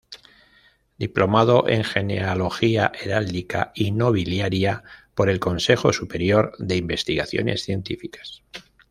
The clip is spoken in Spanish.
Diplomado en Genealogía, Heráldica y Nobiliaria por el Consejo Superior de Investigaciones Científicas.